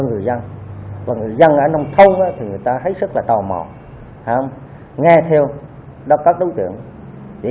người dân và người dân ở nông thôn thì người ta thấy rất là tò mò nghe theo đó các đối tượng để